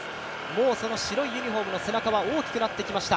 もう白いユニフォームの背中は大きくなってきました。